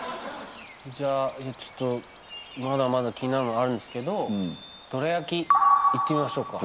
じゃあまだまだ気になるのあるんですけど「どら焼き」いってみましょうか。